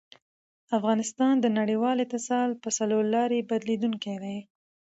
افغانستان د نړیوال اتصال په څلورلاري بدلېدونکی دی.